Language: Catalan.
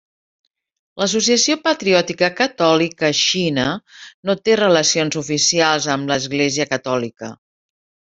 L'Associació Patriòtica Catòlica Xina no té relacions oficials amb l'Església catòlica.